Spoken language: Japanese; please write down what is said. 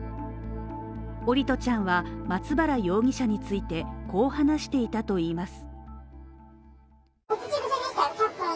桜利斗ちゃんは松原容疑者についてこう話していたといいます。